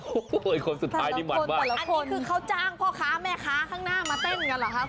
โอ้โหคนสุดท้ายนี่มาโดนคือเขาจ้างพ่อค้าแม่ค้าข้างหน้ามาเต้นกันเหรอครับ